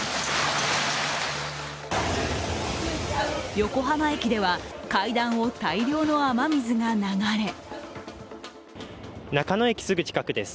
横浜駅では階段を大量の雨水が流れ中野駅すぐ近くです。